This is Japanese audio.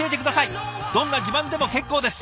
どんな自慢でも結構です。